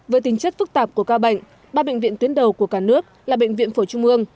với tính chất phức tạp của ca bệnh ba bệnh viện tuyến đầu của cả nước là bệnh viện phổi trung ương